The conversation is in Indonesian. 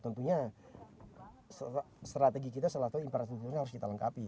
tentunya strategi kita selalu itu infrastrukturnya harus kita lengkapi